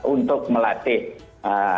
untuk melatih ee